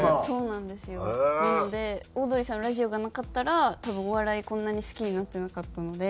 なのでオードリーさんのラジオがなかったら多分お笑いこんなに好きになってなかったので。